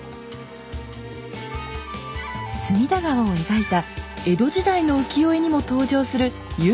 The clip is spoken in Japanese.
隅田川を描いた江戸時代の浮世絵にも登場する由緒ある神社です。